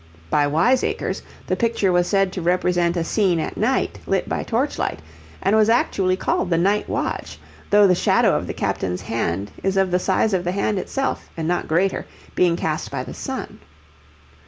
By wiseacres, the picture was said to represent a scene at night, lit by torch light, and was actually called the 'Night Watch,' though the shadow of the captain's hand is of the size of the hand itself, and not greater, being cast by the sun.